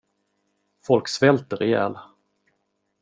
Folk svälter ihjäl.